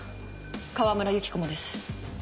川村由紀子もです。